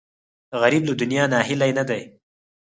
غریب له دنیا ناهیلی نه دی